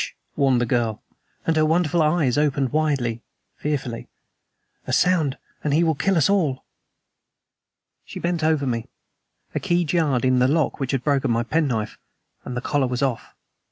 warned the girl, and her wonderful eyes opened widely, fearfully. "A sound and he will kill us all." She bent over me; a key jarred in the lock which had broken my penknife and the collar was off.